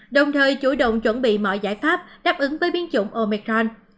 đồng thời chủ động chuẩn bị mọi giải pháp đáp ứng với biến chủng omicron